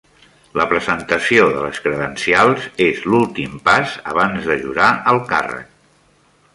La presentació de les credencials és l'últim pas abans de jurar el càrrec